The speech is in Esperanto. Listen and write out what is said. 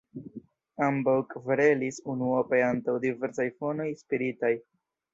Ambaŭ kverelis, unuope antaŭ diversaj fonoj spiritaj.